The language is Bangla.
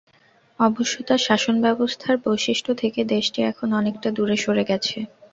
অবশ্য তাঁর শাসনব্যবস্থার বৈশিষ্ট্য থেকে দেশটি এখন অনেকটা দূরে সরে গেছে।